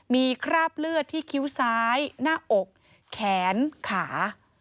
มีคราบเลือดที่คิ้วซ้ายหน้าอกแขนขา